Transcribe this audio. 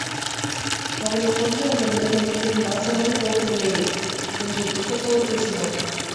அவளைக் கொன்ற அந்த மிருகம் இன்னும் நாசமாய்ப் போகவில்லையே! என்று துக்கத்தோடு பேசினான்.